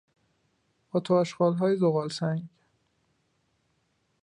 آت و آشغال زغالسنگ